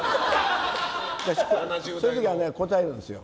私、そういう時は答えるんですよ。